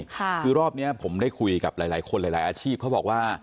คือรอบนี้ผมได้คุยกับหลายคนหลายอาชีพเขาบอกว่า